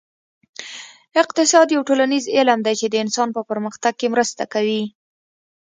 اقتصاد یو ټولنیز علم دی چې د انسان په پرمختګ کې مرسته کوي